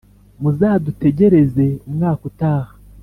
Muzadutegereze umwaka utaha